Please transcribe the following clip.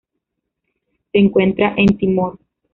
Se encuentra en Timor.